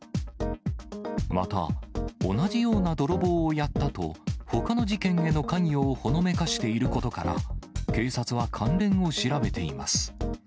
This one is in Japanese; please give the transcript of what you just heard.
また、同じような泥棒をやったと、ほかの事件への関与をほのめかしていることから、警察は関連を調べています。